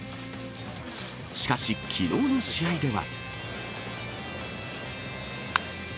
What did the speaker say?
しかし、きのうの試合では。